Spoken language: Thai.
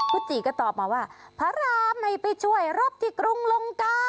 คุณจีก็ตอบมาว่าพระรามไม่ไปช่วยรบที่กรุงลงกา